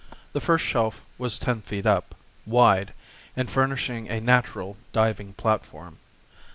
The first shelf was ten feet up, wide, and furnishing a natural diving platform.